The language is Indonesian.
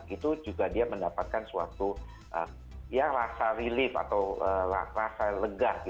itu juga dia mendapatkan suatu rasa relief atau rasa lega